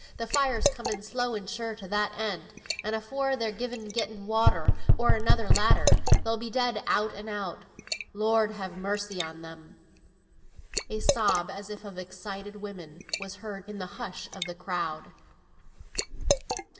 Th' fire's coming slow and sure to that end, and afore they've either gotten water, or another ladder, they'll be dead out and out. Lord have mercy on them!" A sob, as if of excited women, was heard in the hush of the crowd.